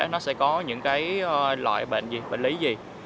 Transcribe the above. nó sẽ có những loại bệnh lý gì